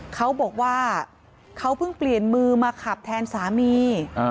เขาบอกว่าเขาเพิ่งเปลี่ยนมือมาขับแทนสามี